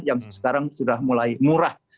yang sekarang sudah mulai murah